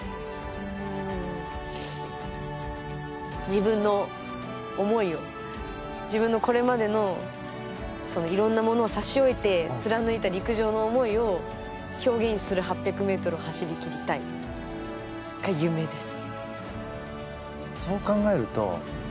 自分の思いを自分のこれまでのいろんなものを差し置いて貫いた陸上の思いを表現する８００ｍを走り切りたいが夢です。